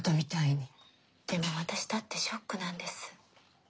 でも私だってショックなんです。